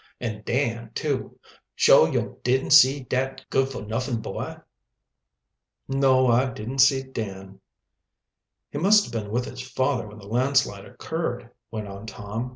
And Dan, too! Suah yo' didn't see dat good fo' nuffin boy?" "No, I didn't see Dan." "He must have been with his father when the landslide occurred," went on Tom.